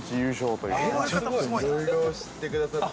ちょっといろいろ知ってくださって。